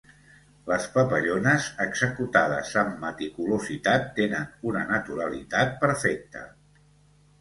Les papallones, executades amb meticulositat, tenen una naturalitat perfecta.